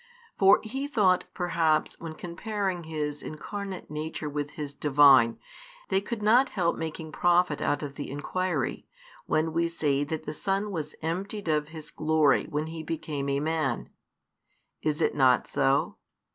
For He thought perhaps when comparing His Incarnate Nature with His Divine, they could not help making profit out of the inquiry, when we say that the Son was emptied of His glory when He became a Man. Is it not so?